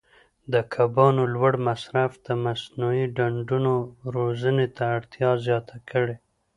د کبانو لوړ مصرف د مصنوعي ډنډونو روزنې ته اړتیا زیاته کړې.